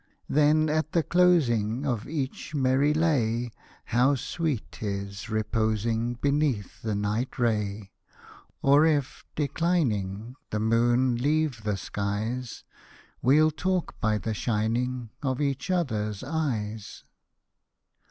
Then, at the closing Of each merry lay, How sweet 'tis, reposing. Beneath the night ray ! Or if, declining. The moon leave the skies, We'll talk by the shining Of each other's eyes.